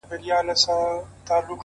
خپـله گرانـه مړه مي په وجود كي ده.